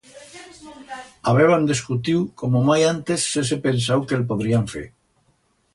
Habeban descutiu como mai antes s'hese pensau que el podrían fer.